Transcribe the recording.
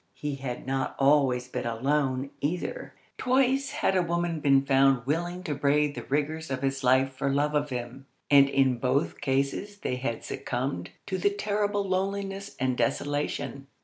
He had not always been alone, either. Twice had a woman been found willing to brave the rigours of his life for love of him, and in both cases they had succumbed to the terrible loneliness and desolation.